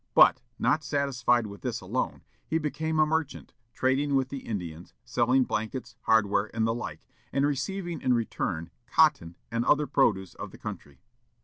But, not satisfied with this alone, he became a merchant, trading with the Indians, selling blankets, hardware, and the like, and receiving in return cotton and other produce of the country.